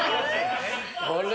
あれ